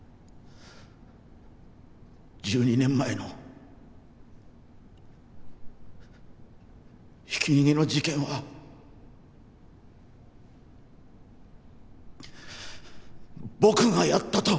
１２年前のひき逃げの事件は僕がやったと。